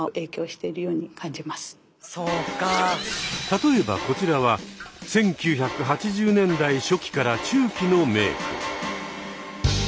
例えばこちらは１９８０年代初期から中期のメーク。